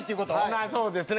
まあそうですね。